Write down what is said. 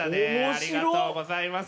ありがとうございます。